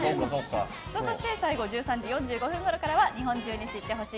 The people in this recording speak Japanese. そして１３時４５分ごろからは日本中に知ってほしい！